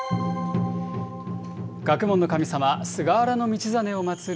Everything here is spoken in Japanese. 学問の神様、菅原道真を祭る